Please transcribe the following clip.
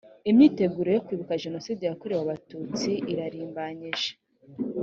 imyiteguro yo kwibuka jenoside yakorewe abatutsi irarimbanyije